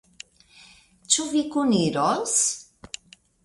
Ĉu vi kuniros?